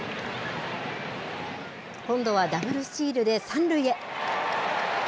今度はダブルスチールで３塁へ。